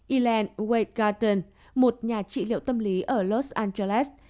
elaine white garten một nhà trị liệu tâm lý ở los angeles